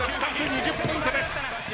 ２０ポイントです。